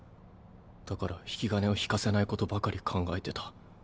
だから引き金を引かせないことばかり考えてた。